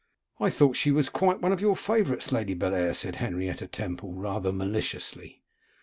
'I thought she was quite one of your favourites, Lady Bellair?' said Henrietta Temple rather maliciously.